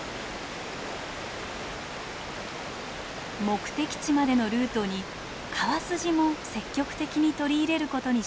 目的地までのルートに川筋も積極的に取り入れることにしました。